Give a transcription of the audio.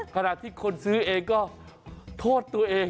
ขณะที่คนซื้อเองก็โทษตัวเอง